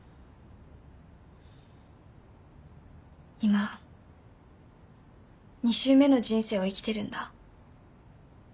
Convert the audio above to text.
今２周目の人生を生きてるんだ。